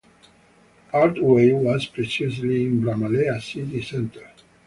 Artway was previously in Bramalea City Centre.